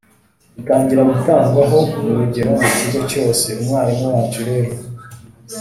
dutangira gutangwaho urugero mu kigo cyose. Umwarimu wacu rero